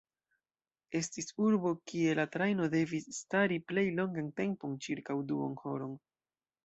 Estis urbo kie la trajno devis stari plej longan tempon – ĉirkaŭ duonhoron.